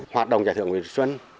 hoạt động giải thưởng nguyễn vất xuân